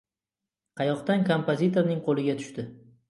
Qayoqdan kompozitorning qo‘liga tushdi.